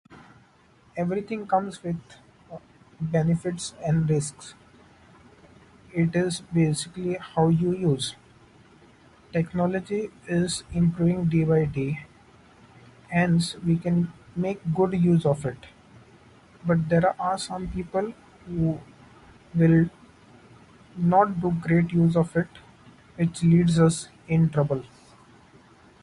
Everything comes with benefits and risks. It is basically how you use. Technology is improving day by day, ands we can make good use of it. But, there are some people who will not make great use of it, it leaves us in trouble.